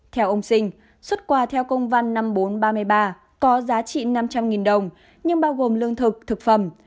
theo ông sinh xuất quà theo công văn năm nghìn bốn trăm ba mươi ba có giá trị năm trăm linh đồng nhưng bao gồm lương thực thực phẩm